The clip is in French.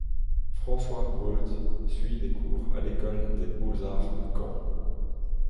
Françoiz Breut suit des cours à l'École des beaux-arts de Caen.